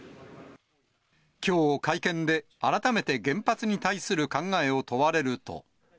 きょう、会見で改めて原発に対する考えを問われると。